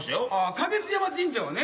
花月山神社はね。